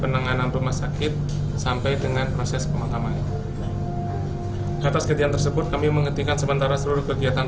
dengan proses pemakaman atas kejadian tersebut kami menghentikan sementara seluruh kegiatan